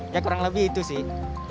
ya kurang lebih itu sih